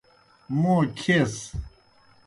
موں کھیس۔